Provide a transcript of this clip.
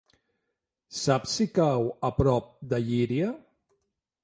Saps si cau a prop de Llíria?